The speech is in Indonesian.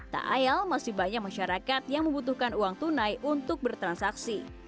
tak ayal masih banyak masyarakat yang membutuhkan uang tunai untuk bertransaksi